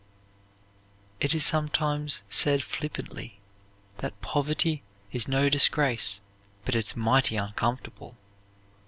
It is sometimes said flippantly that "poverty is no disgrace but it's mighty uncomfortable."